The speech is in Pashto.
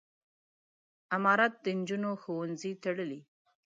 امارت د نجونو ښوونځي تړلي.